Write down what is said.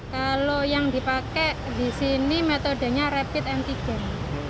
kalau yang dipakai di sini metodenya rapid antigen